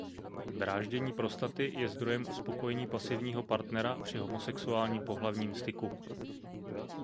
Dráždění prostaty je zdrojem uspokojení pasivního partnera při homosexuálním pohlavním styku.